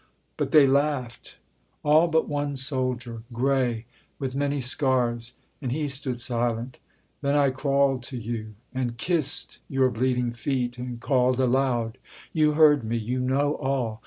But they laughed; All but one soldier, gray, with many scars; And he stood silent. Then I crawled to you, And kissed your bleeding feet, and called aloud You heard me! You know all!